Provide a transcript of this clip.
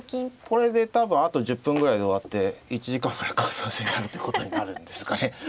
これで多分あと１０分ぐらいで終わって１時間ぐらい感想戦やるってことになるんですかね。